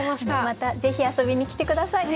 またぜひ遊びに来て下さい。